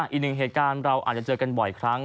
อีกหนึ่งเหตุการณ์เราอาจจะเจอกันบ่อยครั้ง